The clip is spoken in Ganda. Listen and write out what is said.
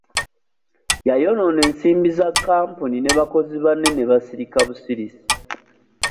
Yayonoona ensimbi za kampuni ne bakozi banne ne basirika busirisi.